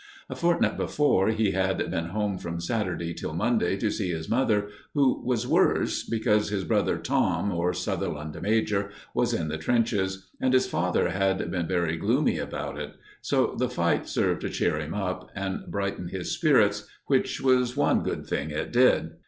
A fortnight before, he had been home from Saturday till Monday, to see his mother, who was worse, because his brother Tom, or Sutherland major, was in the trenches; and his father had been very gloomy about it, so the fight served to cheer him up, and brighten his spirits, which was one good thing it did.